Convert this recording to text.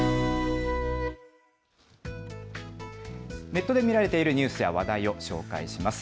ネットで見られているニュースや話題を紹介します。